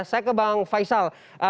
saya ke bang faisal